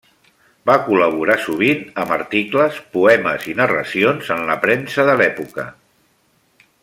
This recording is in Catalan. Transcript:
Va col·laborar sovint amb articles, poemes i narracions en la premsa de l'època.